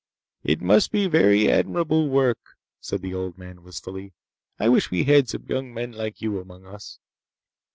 "It must be very admirable work," said the old man wistfully. "I wish we had some young men like you among us."